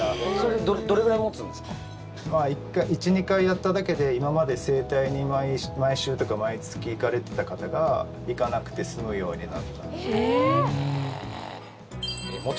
１２回やっただけで今まで整体に毎週とか毎月、行かれていた方が行かなくて済むようになったって方も。